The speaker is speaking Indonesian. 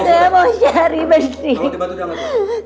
saya mau cari mending